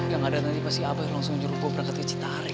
yang ada nanti pasti abah yang langsung nyuruh gue berangkat ke citarik